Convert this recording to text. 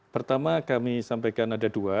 pertama kami sampaikan ada dua